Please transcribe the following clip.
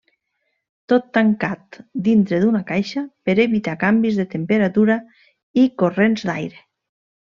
Tot tancat dintre d'una caixa per evitar canvis de temperatura i corrents d'aire.